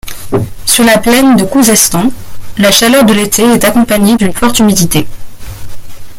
Sur la plaine du Khouzestan, la chaleur de l'été est accompagnée d'une forte humidité.